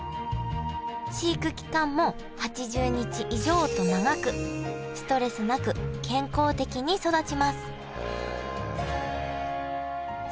飼育期間も８０日以上と長くストレスなく健康的に育ちますへえ。